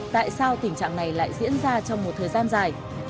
tại sao tình trạng này lại diễn ra trong một thời gian dài